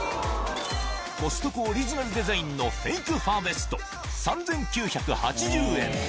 コストコオリジナルデザインのフェイクファーベスト、３９８０円。